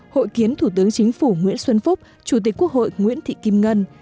hội kiến thủ tướng chính phủ nguyễn xuân phúc chủ tịch quốc hội nguyễn thị kim ngân